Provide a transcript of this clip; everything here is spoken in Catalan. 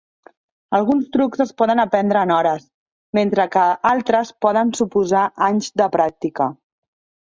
Alguns trucs es poden aprendre en hores, mentre que altres poden suposar anys de pràctica.